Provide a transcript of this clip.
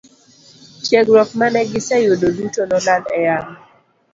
Tiegruok mane giseyudo duto nolal e yamo.